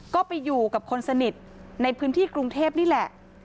ก็ไปอยู่กับคนสนิทในพื้นที่กรุงเทพนี่แหละ